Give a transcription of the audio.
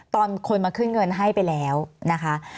ตอนคนมาขึ้นเงินให้ไปแล้วนะคะ